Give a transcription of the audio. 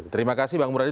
terima kasih bang murady